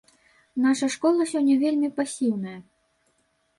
Наша школа сёння вельмі пасіўная.